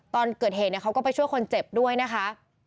ตอนเกิดเหตุเขาก็ไปช่วยคนเจ็บด้วยนะคะ